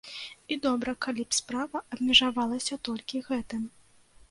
І добра, калі б справа абмежавалася толькі гэтым.